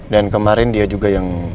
dan kemarin dia juga yang